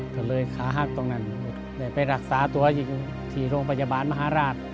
ก็เลยขาหักตรงนั้นได้ไปรักษาตัวอยู่ที่โรงพยาบาลมหาราช